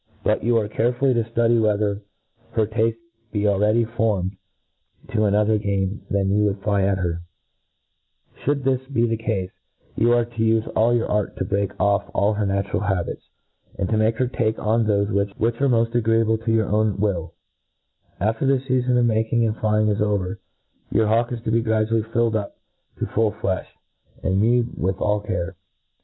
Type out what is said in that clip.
But you are carefully to ftudy whether her tafte be already formed to other game than you would fly her at« Should this be the cafe, you are to ufe all your art to break off all her natural habits, and to make her take on thofc which are moft agreeable to your own After the fcafon of making and flying is over, your hawk is to be gradually filled op to futt flcfli, and mewed with aU cairc.